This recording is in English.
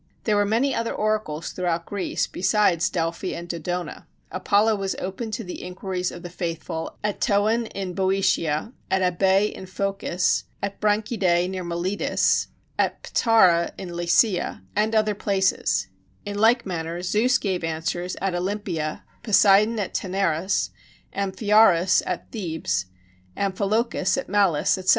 There were many other oracles throughout Greece besides Delphi and Dodona; Apollo was open to the inquiries of the faithful at Ptoon in Boeotia, at Abæ in Phocis, at Branchidæ near Miletus, at Patara in Lycia, and other places: in like manner, Zeus gave answers at Olympia, Poseidon at Tænarus, Amphiaraus at Thebes, Amphilochus at Mallus, etc.